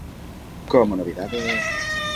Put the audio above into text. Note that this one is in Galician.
Como novidade...